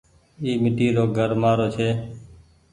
اي ميٽي رو گهر مآرو ڇي۔